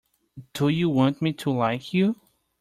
Do you want me to like you?